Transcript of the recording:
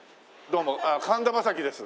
どうも。